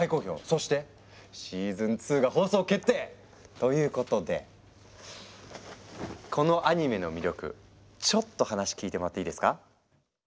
そしてシーズン２が放送決定！ということでこのアニメの魅力ちょっと話聞いてもらっていいですか？